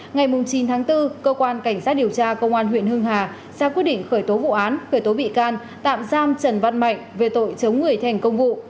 ngày chín tháng bốn cơ quan cảnh sát điều tra công an huyện hưng hà ra quyết định khởi tố vụ án khởi tố bị can tạm giam trần văn mạnh về tội chống người thành công vụ